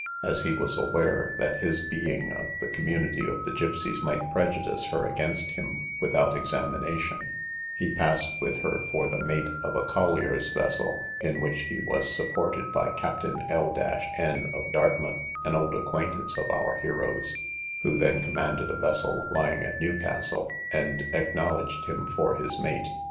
As he was aware that his being of the community of the gipseys might prejudice her against him without examination, he passed with her for the mate of a collier's vessel, in which he was supported by Captain L n of Dartmouth, an old acquaintance of our hero's, who then commanded a vessel lying at Newcastle, and acknowledged him for his mate.